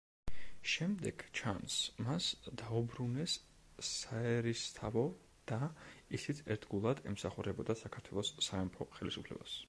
შემდეგ, ჩანს, მას დაუბრუნეს საერისთავო და ისიც ერთგულად ემსახურებოდა საქართველოს სამეფო ხელისუფლებას.